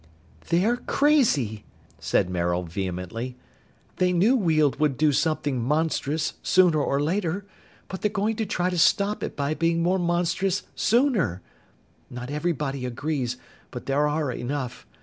"They're crazy!" said Maril vehemently. "They knew Weald would do something monstrous sooner or later. But they're going to try to stop it by being more monstrous sooner! Not everybody agrees, but there are enough.